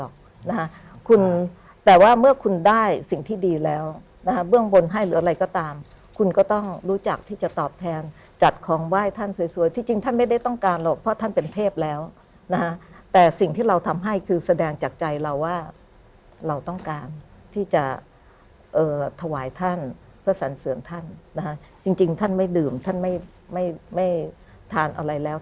คืออันนี้เป็นหัวนี่เป็นหัวถูกมั้ยฮะ